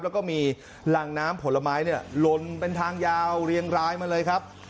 แล้วก็มีรังน้ำผลไม้เนี่ยลนเป็นทางยาวเรียงรายมาเลยครับ